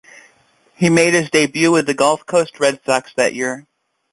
He made his debut with the Gulf Coast Red Sox that year.